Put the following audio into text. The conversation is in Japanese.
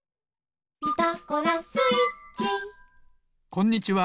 こんにちは。